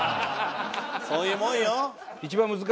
そういうもんよ。